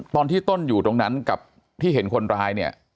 ตอนที่ต้นอยู่ตรงนั้นกับที่เห็นคนร้ายเนี่ย